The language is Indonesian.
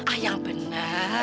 ah yang benar